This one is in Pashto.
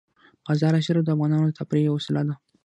مزارشریف د افغانانو د تفریح یوه وسیله ده.